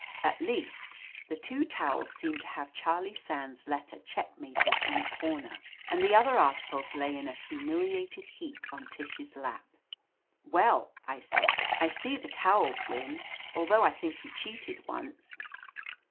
At least, the two towels seemed to have Charlie Sands' letter checkmated in a comer, and the other articles lay in a humiliated heap on Tish's lap. 'Well, I said, "I see the towels win, although I think you cheated once."